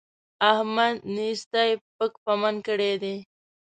احمد نېستۍ پک پمن کړی دی.